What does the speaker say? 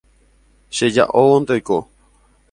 cheja'óvonte oiko